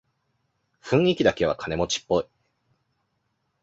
雰囲気だけは金持ちっぽい